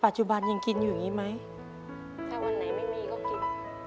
ปัจจุบันยังกินอยู่อย่างนี้ไหมถ้าวันไหนไม่มีก็กิน